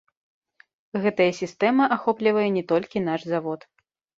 Гэтая сістэма ахоплівае не толькі наш завод.